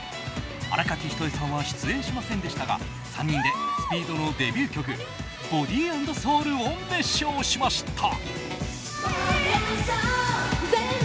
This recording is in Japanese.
新垣仁絵さんは出演しませんでしたが３人でＳＰＥＥＤのデビュー曲「Ｂｏｄｙ＆Ｓｏｕｌ」を熱唱しました。